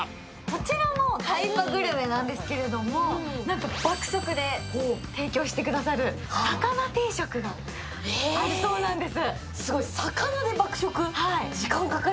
こちらのタイパグルメなんですけれども爆速で提供してくださる魚定食があるそうなんです。